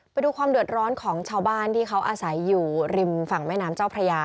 ไปดูความเดือดร้อนของชาวบ้านที่เขาอาศัยอยู่ริมฝั่งแม่น้ำเจ้าพระยา